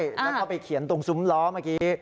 แล้วก็ไปเขียนตรงซุ้มล้อเมื่อกี้